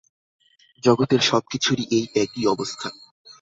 জগতের সব-কিছুরই এই একই অবস্থা।